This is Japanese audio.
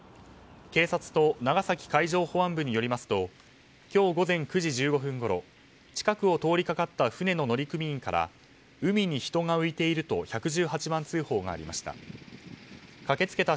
警察と長崎海上保安部によりますと今日午前９時１５分ごろ近くを通りかかった船の乗組員から海に人が浮いていると１１８番通報がありました。